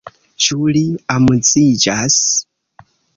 Ĉu li amuziĝas?